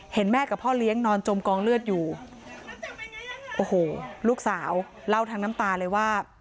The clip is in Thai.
แม่กับพ่อเลี้ยงนอนจมกองเลือดอยู่โอ้โหลูกสาวเล่าทั้งน้ำตาเลยว่า